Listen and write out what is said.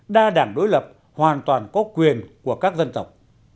đa đảng đối lập hoàn toàn có quyền của các dân tộc